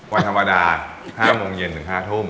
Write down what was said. วันธรรมดา๕โมงเย็นถึง๕ทุ่ม